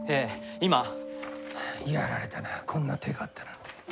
やられたなこんな手があったなんて。